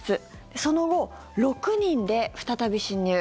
その後、６人で再び侵入。